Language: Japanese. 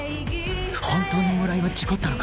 本当に村井は事故ったのか？